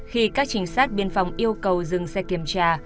khi các trinh sát biên phòng yêu cầu dừng xe kiểm tra